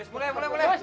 mulai mulai mulai